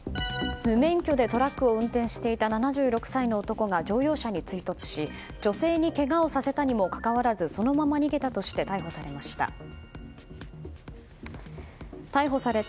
無免許でトラックを運転していた７６歳の男が乗用車に追突し女性にけがをさせたにもかかわらずそのまま逃げたとして逮捕されました。